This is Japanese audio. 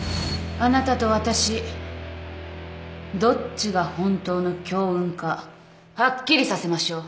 あなたと私どっちが本当の強運かはっきりさせましょう